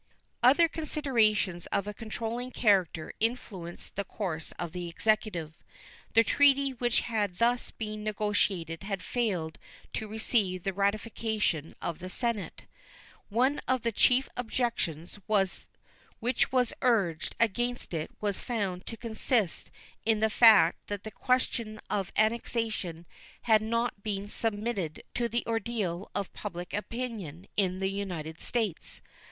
Other considerations of a controlling character influenced the course of the Executive. The treaty which had thus been negotiated had failed to receive the ratification of the Senate. One of the chief objections which was urged against it was found to consist in the fact that the question of annexation had not been submitted to the ordeal of public opinion in the United States.